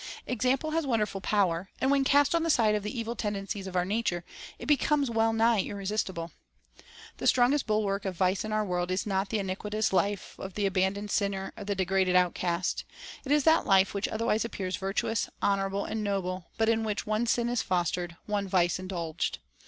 Example has wonderful power; and when cast on the side of the evil tendencies of our nature, it becomes well nigh irresistible. The strongest bulwark of vice in our world is not the iniquitous life of the abandoned sinner or the de graded outcast; it is that life which otherwise appears virtuous, honorable, and noble, but in which one sin is fostered, one vice indulged.